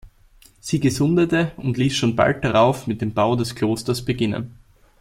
Sie gesundete und ließ schon bald darauf mit dem Bau des Klosters beginnen.